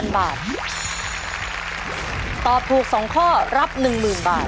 ตอบถูก๒ข้อรับ๑๐๐๐บาท